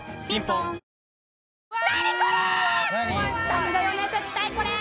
ダメだよね絶対これ。